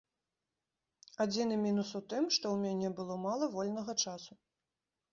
Адзіны мінус у тым, што ў мяне было мала вольнага часу.